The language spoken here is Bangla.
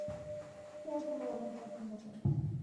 সে তোমায় অনেক পছন্দ করে।